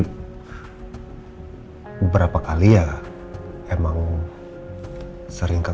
beberapa kali ya emang